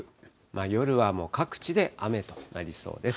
夜はもう各地で雨となりそうです。